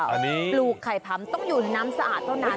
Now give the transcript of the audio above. อันนี้ปลูกไข่พำต้องอยู่ในน้ำสะอาดเท่านั้น